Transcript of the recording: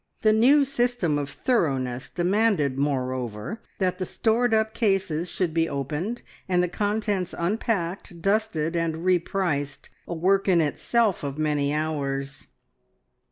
The new system of thoroughness demanded, moreover, that the stored up cases should be opened, and the contents unpacked, dusted, and re priced, a work in itself of many hours.